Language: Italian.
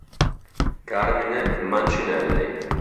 Carmine Mancinelli